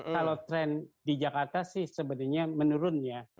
kalau tren di jakarta sih sebenarnya menurun ya